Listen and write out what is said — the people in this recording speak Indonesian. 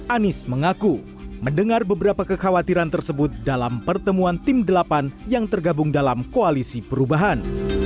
anies mengaku mendengar beberapa kekhawatiran tersebut dalam pertemuan tim delapan yang tergabung dalam koalisi perubahan